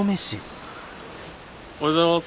おはようございます。